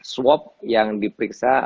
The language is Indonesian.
swap yang diperiksa